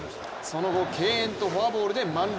その後、敬遠とフォアボールで満塁。